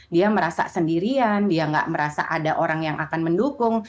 dia merasa sendirian dia nggak merasa ada orang yang akan mendukung